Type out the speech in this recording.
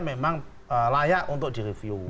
memang layak untuk direview